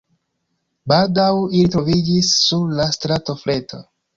Baldaŭ ili troviĝis sur la strato Freta.